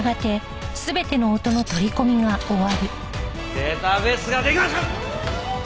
「」「」データベースが出来ました！